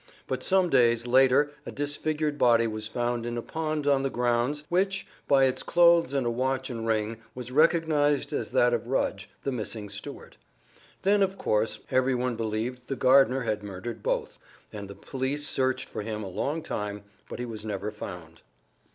But some days later a disfigured body was found in a pond on the grounds which, by its clothes and a watch and ring, was recognized as that of Rudge, the missing steward. Then, of course, every one believed the gardener had murdered both, and the police searched for him a long time, but he was never found.